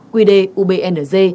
quy đề ubnz